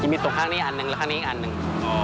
มีตกข้างนี้อันหนึ่งแล้วข้างนี้อีกอันหนึ่ง